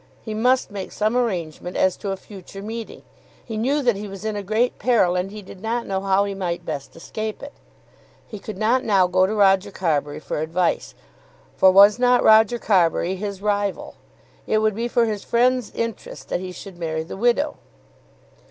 He must make some arrangement as to a future meeting. He knew that he was in a great peril, and he did not know how he might best escape it. He could not now go to Roger Carbury for advice; for was not Roger Carbury his rival? It would be for his friend's interest that he should marry the widow.